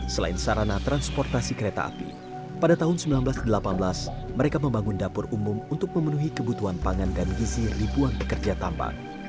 selain sarana transportasi kereta api pada tahun seribu sembilan ratus delapan belas mereka membangun dapur umum untuk memenuhi kebutuhan pangan dan gizi ribuan pekerja tambang